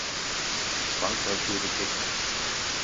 Frankreich wurde Dritter.